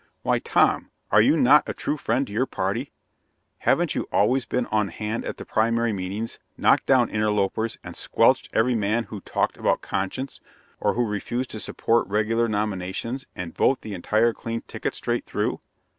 "Why, Tom, are you not a true friend to your party? Haven't you always been on hand at the primary meetings, knocked down interlopers, and squelched every man who talked about conscience, or who refused to support regular nominations, and vote the entire clean ticket straight through?